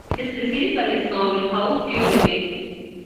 It is preceded by his novel "How Few Remain".